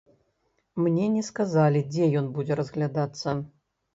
Мне не сказалі, дзе ён будзе разглядацца.